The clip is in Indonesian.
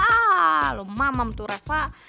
ah lu mamam tuh reva